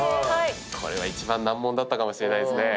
これは一番難問だったかもしれないですね。